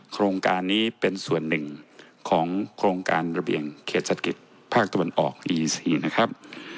โครงการนี้เป็นส่วนหนึ่งของโครงการระเบียงเขตเศรษฐกิจภาคตะวันออกอีซีนะครับ